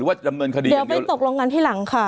หรือว่าจำเมินคดีอย่างเดียวไปตกลงกันที่หลังค่ะ